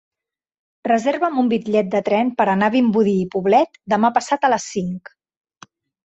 Reserva'm un bitllet de tren per anar a Vimbodí i Poblet demà passat a les cinc.